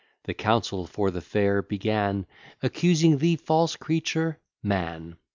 The counsel for the fair began, Accusing the false creature Man.